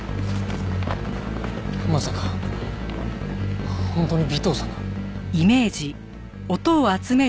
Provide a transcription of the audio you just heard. まさか本当に尾藤さんが？